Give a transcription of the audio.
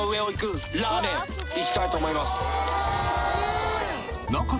いきたいと思います。